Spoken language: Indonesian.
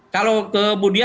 kalau ke budia